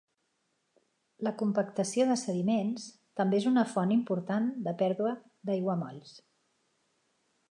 La compactació de sediments també és una font important de pèrdua d'aiguamolls.